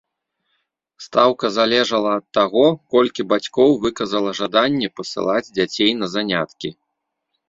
Стаўка залежала ад таго, колькі бацькоў выказала жаданне пасылаць дзяцей на заняткі.